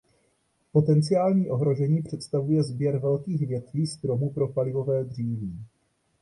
Potenciální ohrožení představuje sběr velkých větví stromu pro palivové dříví.